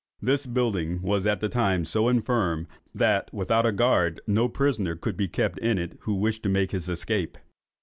This building was at that time so infirm, that without a guard no prisoner could be kept in it who wished to make his escape.